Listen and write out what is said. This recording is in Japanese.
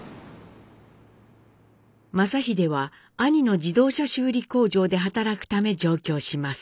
正英は兄の自動車修理工場で働くため上京します。